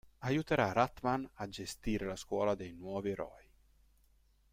Aiuterà Rat-Man a gestire la scuola dei "Nuovi Eroi".